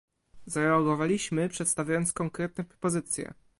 Zareagowaliśmy, przedstawiając konkretne propozycje